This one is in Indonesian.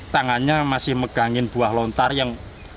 tangannya masih megangin buah lontar yang